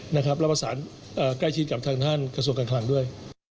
แล้วประสานใกล้ชิดกับทางท่านกระทรวงการคลังด้วย